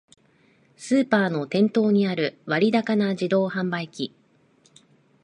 スーパーの店頭にある割高な自動販売機